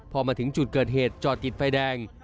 พอมาถึงจุดเกิดเหตุจอดติดไฟแดง